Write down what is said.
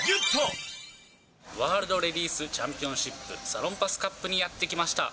ワールドレディスチャンピオンシップサロンパスカップにやって来ました。